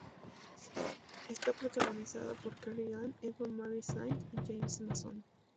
Está protagonizada por Cary Grant, Eva Marie Saint y James Mason.